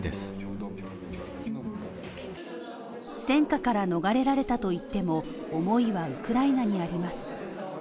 戦禍から逃れられたといっても思いはウクライナにあります。